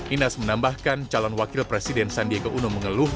ines menambahkan calon wakil presiden sandiaka uno mengeluh